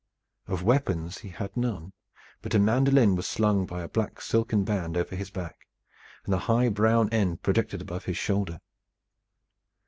Of weapons he had none, but a mandolin was slung by a black silken band over his back, and the high brown end projected above his shoulder.